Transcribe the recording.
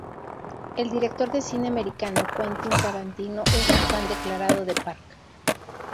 El director de cine americano Quentin Tarantino es un fan declarado de Park.